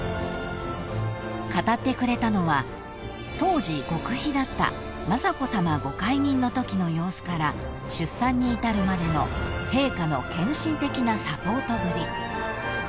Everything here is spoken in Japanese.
［語ってくれたのは当時極秘だった雅子さまご懐妊のときの様子から出産に至るまでの陛下の献身的なサポートぶり］